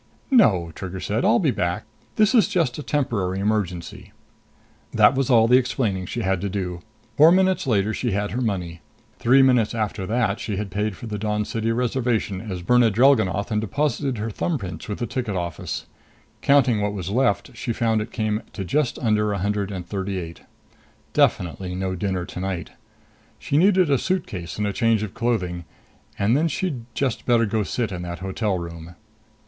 "No," Trigger said. "I'll be back. This is just a temporary emergency." That was all the explaining she had to do. Four minutes later she had her money. Three minutes after that she had paid for the Dawn City reservation as Birna Drellgannoth and deposited her thumbprints with the ticket office. Counting what was left, she found it came to just under a hundred and thirty eight. Definitely no dinner tonight! She needed a suitcase and a change of clothing. And then she'd just better go sit in that hotel room.